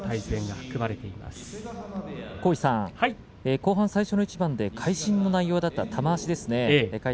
後半最初の一番で会心の内容だった玉鷲ですね。